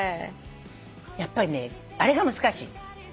やっぱりねあれが難しい。